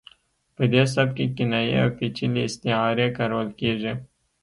په دې سبک کې کنایې او پیچلې استعارې کارول کیږي